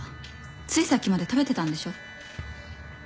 ついさっきまで食べてたんでしょう？